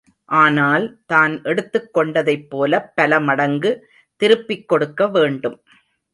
ஆனால் தான் எடுத்துக் கொண்டதைப் போலப் பலமடங்கு திருப்பிக் கொடுக்க வேண்டும்.